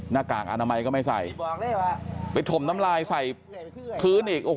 หน้ากากอนามัยก็ไม่ใส่ไปถมน้ำลายใส่พื้นอีกโอ้โห